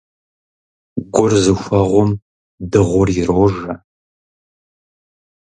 Гур зыхуэгъум дыгъур ирожэ.